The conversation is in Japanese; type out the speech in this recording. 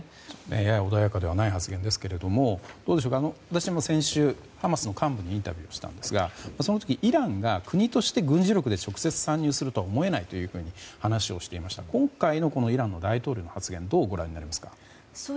やや穏やかではない発言ですが私も先週、ハマスの幹部にインタビューしたんですがその時、イランが国として軍事力で直接参入するとは思えないというふうに話をしていましたが今回のイランの大統領の発言はどうご覧になりますか？